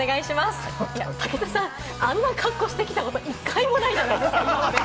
武田さん、あんな格好してきたの１回もないじゃないですか！